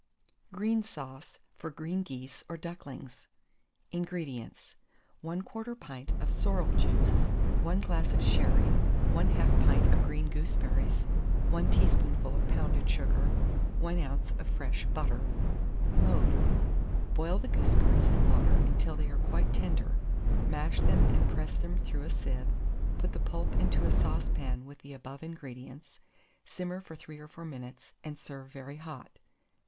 GREEN SAUCE FOR GREEN GEESE OR DUCKLINGS. 431. INGREDIENTS. 1/4 pint of sorrel juice, 1 glass of sherry, 1/2 pint of green gooseberries, 1 teaspoonful of pounded sugar, 1 oz. of fresh butter. Mode. Boil the gooseberries in water until they are quite tender; mash them and press them through a sieve; put the pulp into a saucepan with the above ingredients; simmer for 3 or 4 minutes, and serve very hot.